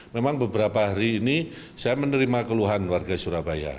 memang beberapa hari ini saya menerima keluhan warga surabaya